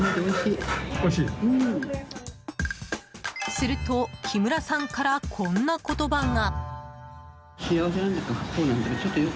すると、木村さんからこんな言葉が。